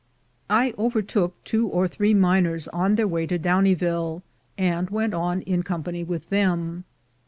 I overtook two or three miners on their way to Downieville, and went on in company with them.